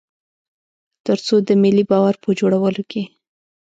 تر څو د ملي باور په جوړولو کې.